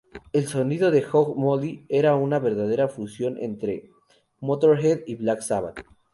El sonido de Hog Molly era una verdadera fusión entre Motörhead y Black Sabbath.